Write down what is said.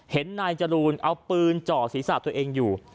เห็นนายจรูนเอาปืนจ่อศีรษะตัวเองอยู่